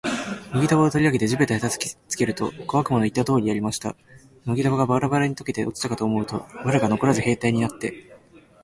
麦束を取り上げて地べたへ叩きつけると、小悪魔の言った通りやりました。麦束がバラバラに解けて落ちたかと思うと、藁がのこらず兵隊になって、